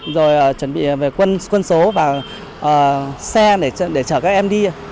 rồi chuẩn bị về quân số và xe để chở các em đi